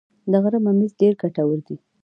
د غره ممیز ډیر ګټور دي